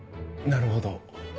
なるほど。